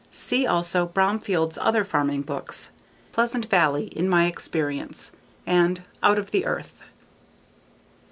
See also Bromfield's other farming books: Pleasant Valley, In My Experience, and _Out of the Earth.